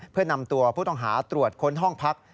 เพื่อนำตัวผู้ต้องหาตรวจค้นห้องพัก